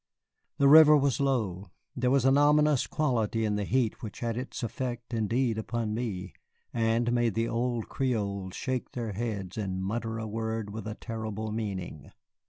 The river was low; there was an ominous quality in the heat which had its effect, indeed, upon me, and made the old Creoles shake their heads and mutter a word with a terrible meaning.